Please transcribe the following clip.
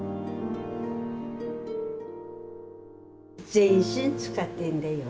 全身使ってんだよ